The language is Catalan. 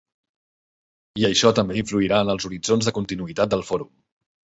I això també influirà en els horitzons de continuïtat del Fòrum.